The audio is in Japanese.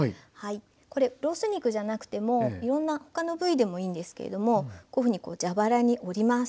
これロース肉じゃなくてもいろんな他の部位でもいいんですけれどもこういうふうに蛇腹に折ります。